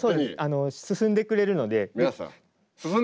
進んでくれるので。